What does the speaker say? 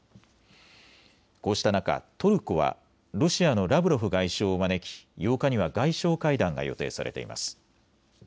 こうした中、トルコはロシアのラブロフ外相を招き、８日には外相会談が予定されています。